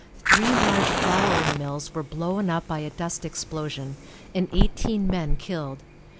Three large flouring mills were blown up by a dust explosion, and eighteen men killed.